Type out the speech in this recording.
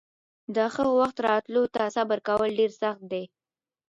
د ښه وخت راتلو ته صبر کول ډېر سخت دي.